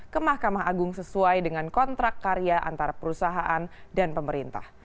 ke mahkamah agung sesuai dengan kontrak karya antara perusahaan dan pemerintah